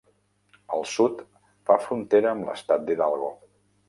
Al sud fa frontera amb l'estat d'Hidalgo.